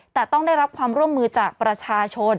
แต่ต้องได้รับความร่วมมือจากประชาชน